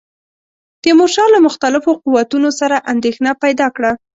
تیمورشاه له مختلفو قوتونو سره اندېښنه پیدا کړه.